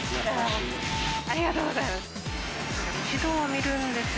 ありがとうございます。